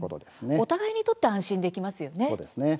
お互いにとって安心できますね。